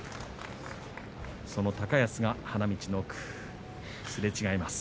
その高安が花道の奥。